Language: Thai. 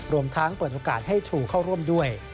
รวมทั้งเปิดโอกาสให้ทรูเข้าร่วมด้วย